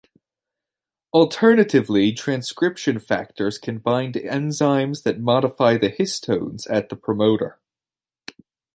Alternatively, transcription factors can bind enzymes that modify the histones at the promoter.